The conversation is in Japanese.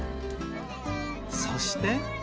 そして。